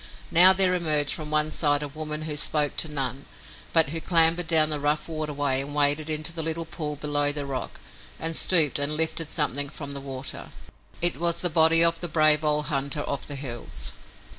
Now there emerged from one side a woman who spoke to none but who clambered down the rough waterway and waded into the little pool below the rock and stooped and lifted something from the water. It was the body of the brave old hunter of the hills.